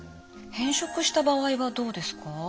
変色した場合はどうですか？